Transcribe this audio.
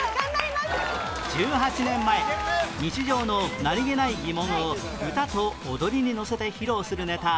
１８年前日常の何気ない疑問を歌と踊りに乗せて披露するネタ